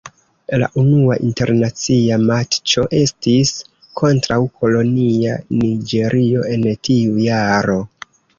La unua internacia matĉo estis kontraŭ kolonia Niĝerio en tiu jaro.